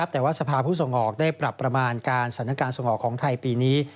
แต่ว่าสภาผู้ส่งออกได้ปรับประมาณการสถานการณ์ส่งออกของไทยปีนี้